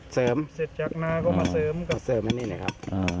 เสริมเสริมอันนี้เลยครับ